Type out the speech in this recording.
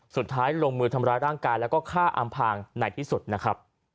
สุดท้ายลงมือทำร้ายร่างกายแล้วก็ฆ่าอำพางในที่สุดนะครับ